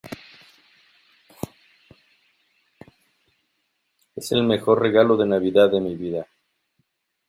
es el mejor regalo de Navidad de mi vida.